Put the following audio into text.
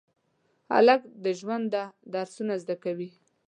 هلک د ژونده درسونه زده کوي.